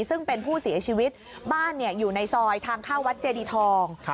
ซึ่งเป็นผู้เสียชีวิตบ้านอยู่ในซอยทางเข้าวัดเจดีทอง